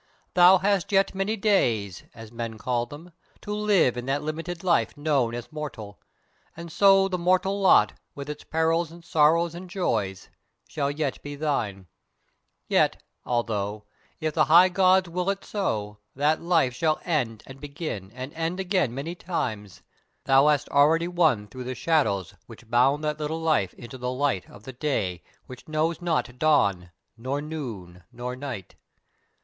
Thou hast yet many days, as men call them, to live in that limited life known as mortal, and so the mortal lot, with its perils and sorrows and joys, shall yet be thine: yet, although, if the High Gods will it so, that life shall end and begin and end again many times, thou hast already won through the shadows which bound that little life into the light of the Day which knows not dawn nor noon nor night.